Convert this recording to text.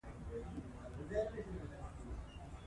ازادي راډیو د د کانونو استخراج ته پام اړولی.